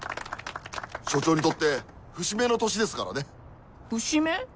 署長にとって節目の年ですからね。節目？